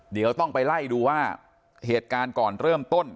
เดี๋ยวต้องไปไล่ดูว่าเหตุการณ์ก่อนเริ่มต้น